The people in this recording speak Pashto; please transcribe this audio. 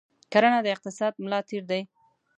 کرنه د اقتصاد ملا تیر دی.